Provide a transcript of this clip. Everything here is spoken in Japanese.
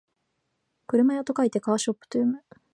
車屋と書いてカーショップと読む